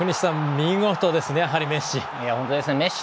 見事ですね、やはりメッシ。